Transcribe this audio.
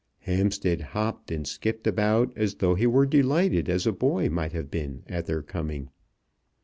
Hampstead hopped and skipped about as though he were delighted as a boy might have been at their coming.